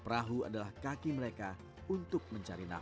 perahu adalah kaki mereka untuk mencari nafkah